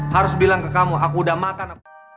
harus bilang ke kamu aku udah makan aku